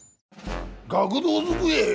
学童机！？